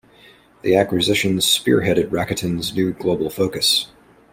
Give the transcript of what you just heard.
The acquisition spearheaded Rakuten's new global focus.